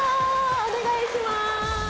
お願いします。